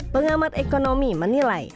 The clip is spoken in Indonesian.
pengamat ekonomi menilai